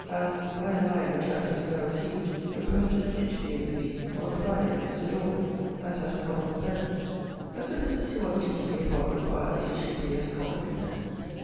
] has, by a line which I have just now received, requested an interview with me on Friday at Mr. Dormer's, as at a common friend's. Does the business he wants to meet me upon require that it should be at a common friend's?